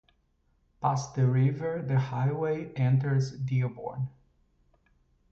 Past the river, the highway enters Dearborn.